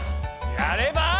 やれば。